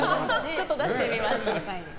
ちょっと出してみました。